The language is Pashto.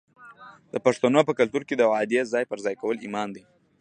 د پښتنو په کلتور کې د وعدې ځای پر ځای کول ایمان دی.